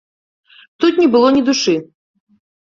Тут не было ні душы.